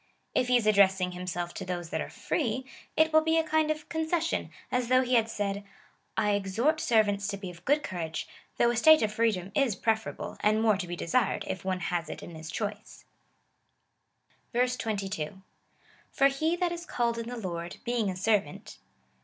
If he is addressing himself to those that are free, it will be a kind of concession, as though he had said — I exhort servants to be of good courage, though a state of freedom is preferable,^ and more to be desired, if one has it in his choice. 22. For he that is called in the Lord, being a servant.